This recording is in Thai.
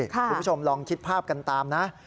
คุณผู้ชมลองคิดภาพกันตามนะ